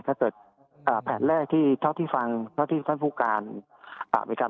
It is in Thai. ถ้าเกิดแผนแรกที่เฉาะที่ฟังเฉาะที่ฟันผู้การมีการวางแผน